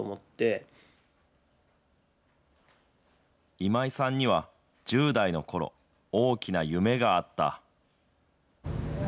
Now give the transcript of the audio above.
今井さんには、１０代のころ、大きな夢があった。